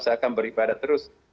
saya akan beribadah terus